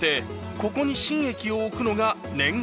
ここに新駅を置くのが念願。